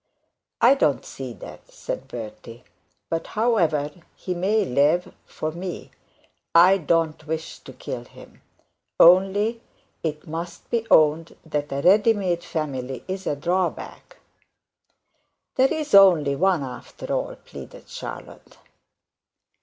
'I don't see that,' said Bertie. 'But however, he may live for me I don't wish to kill him; only, it must be owned that a ready made family is a drawback.' 'There is only one after all,' pleaded Charlotte.